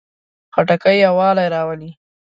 خټکی یووالی راولي.